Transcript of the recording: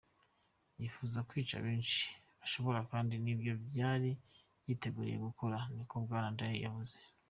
"Yipfuza kwica benshi bashoboka kandi nivyo yari yiteguriye gukora," niko Bwana Dyer yavuze.